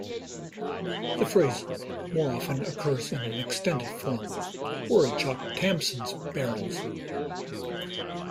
The phrase more often occurs in an extended form: "We're a' Jock Tamson's bairns".